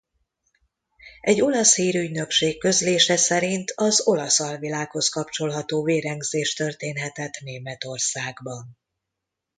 Egy olasz hírügynökség közlése szerint az olasz alvilághoz kapcsolható vérengzés történhetett Németországban.